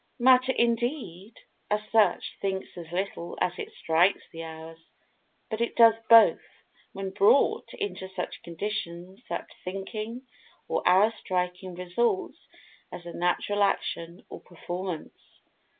Matter, indeed, as such, thinks as little as it strikes the hours; but it does both, when brought into such conditions that thinking, or hour striking results as a natural action or performance."